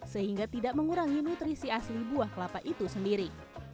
sehingga tidak mengurangi nutrisi asli buah kelapa itu sendiri